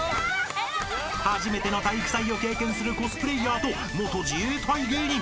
［初めての体育祭を経験するコスプレイヤーと元自衛隊芸人］